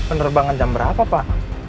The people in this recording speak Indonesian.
penerbangan jam berapa pak